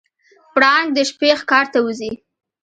پړانګ د شپې ښکار ته وځي.